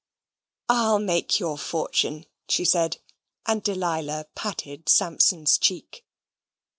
"I'LL make your fortune," she said; and Delilah patted Samson's cheek.